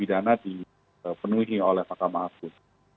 itu pidana dipenuhi oleh pakamahasud